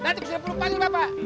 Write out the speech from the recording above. nanti gue suruh pelu panggil bapak